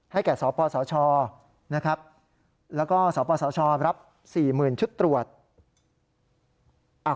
ให้แก่สพสชแล้วก็สพสชรับ๔๐๐๐ชุดตรวจ